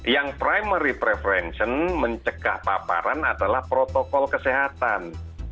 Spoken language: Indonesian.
yang primary preference mencegah paparan adalah protokol kesehatan